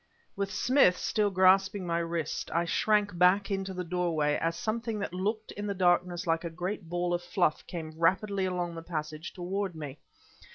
With Smith still grasping my wrist, I shrank back into the doorway, as something that looked in the darkness like a great ball of fluff came rapidly along the passage toward me.